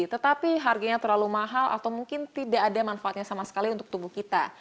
tetapi harganya terlalu mahal atau mungkin tidak ada manfaatnya sama sekali untuk tubuh kita